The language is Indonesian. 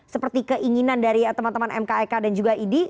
seperti keinginan dari teman teman mkek dan juga idi